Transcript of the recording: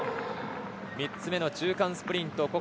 ３つ目の中間スプリント。